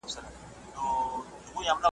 دا لوبه له هغه خوندوره ده!!